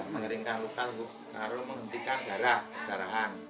mengeringkan luka lalu menghentikan darahan